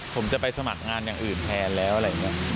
ผมจะไปสมัครงานอย่างอื่นแทนแล้วอะไรอย่างนี้